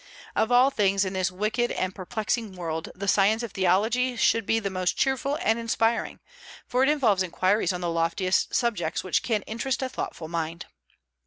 Of all things in this wicked and perplexing world the science of theology should be the most cheerful and inspiring, for it involves inquiries on the loftiest subjects which can interest a thoughtful mind.